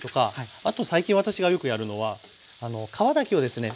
あと最近私がよくやるのは皮だけをですね